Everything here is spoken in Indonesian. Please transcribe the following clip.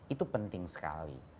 itu penting sekali